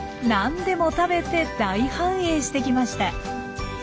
んでも食べて大繁栄してきました。